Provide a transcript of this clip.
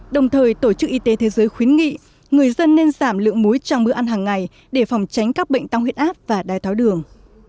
đồng thời tổ chức y tế thế giới khuyến nghị người dân nên giảm lượng muối trong bữa ăn hàng ngày để phòng tránh các bệnh tăng huyết áp và đai tháo đường